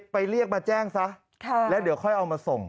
ไปเรียกมาแจ้งซะแล้วเดี๋ยวค่อยเอามาส่ง